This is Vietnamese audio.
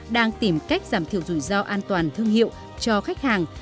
đang tìm cách giảm thiểu rủi ro an toàn thương hiệu cho khách hàng